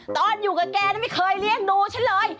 ตอนอยู่กับแกไม่เคยเลี้ยงดูฉันเลย